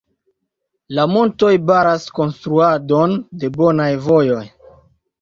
La montoj baras konstruadon de bonaj vojoj.